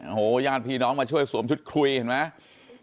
โอ้โหญาติพี่น้องมาช่วยสวมชุดคุยเห็นไหม